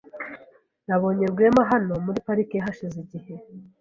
Nabonye Rwema hano muri parike hashize igihe.